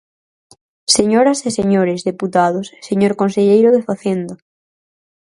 Señoras e señores deputados, señor conselleiro de Facenda.